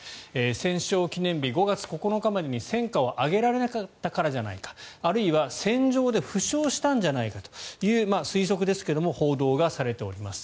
戦勝記念日、５月９日までに戦果を上げられなかったからじゃないかあるいは、戦場で負傷したんじゃないかという推測ですが報道がされております。